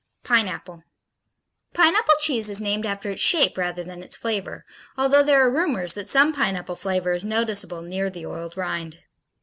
Pineapple Pineapple cheese is named after its shape rather than its flavor, although there are rumors that some pineapple flavor is noticeable near the oiled rind.